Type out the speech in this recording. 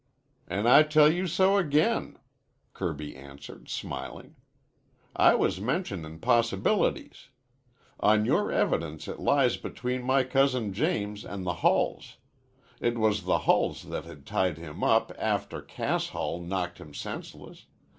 "An' I tell you so again," Kirby answered, smiling. "I was mentionin' possibilities. On your evidence it lies between my cousin James an' the Hulls. It was the Hulls that had tied him up after Cass Hull knocked him senseless.